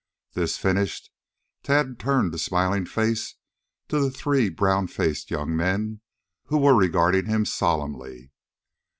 This finished, Tad turned a smiling face to the three brown faced young men who were regarding him solemnly.